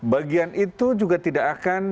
bagian itu juga tidak akan